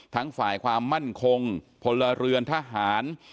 ทั้งฝ่ายความมั่นคงพลเรือนทหาร